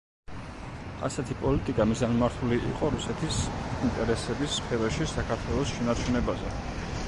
ასეთი პოლიტიკა მიზანმიმართული იყო რუსეთის ინტერესების სფეროში საქართველოს შენარჩუნებაზე.